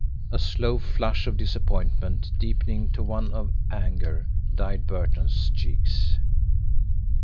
A slow flush of disappointment, deepening to one of anger dyed Burton's cheeks.